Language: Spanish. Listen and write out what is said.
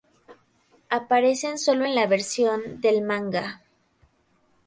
Aparecen sólo en la versión del manga.